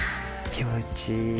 気持ちいい。